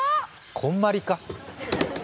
こんまりか。